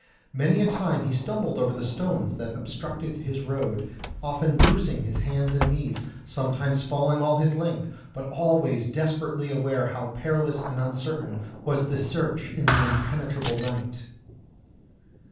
Many a time he stumbled over the stones that obstructed his road, often bruising his hands and knees, sometimes falling all his length, but always desperately aware how perilous and uncertain was this search in the impenetrable night.